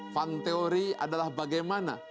fun theory adalah bagaimana